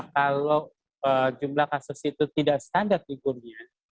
kalau jumlah kasus itu tidak standar figurnya